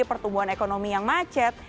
pertumbuhan ekonomi yang macet